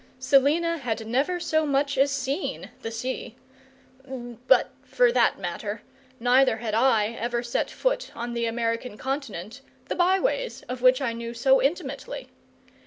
Selina had never so much as seen the sea; but for that matter neither had I ever set foot on the American continent, the by ways of which I knew so intimately.